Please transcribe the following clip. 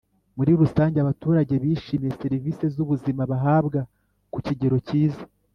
muri rusange abaturage bishimiye serivisi z ubuzima bahabwa ku kigero cyiza